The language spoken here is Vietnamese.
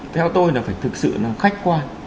theo tôi là phải thực sự là khách quan